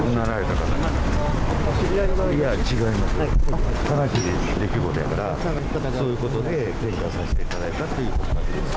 悲しい出来事やから、そういうことで献花させていただいたという。